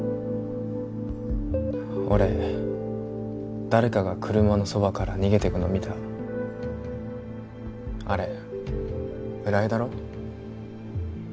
俺誰かが車のそばから逃げてくの見たあれ村井だろ？